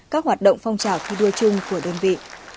các hoạt động phong trào thi đua chung của đơn vị